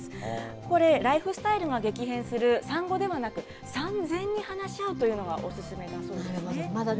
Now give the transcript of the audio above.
これ、ライフスタイルが激変する産後ではなく産前に話し合うというのがお勧めだそうですね。